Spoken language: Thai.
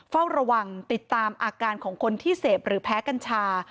เฝ้าระวังติดตามอาการของคนที่เสพหรือแพ้กัญชา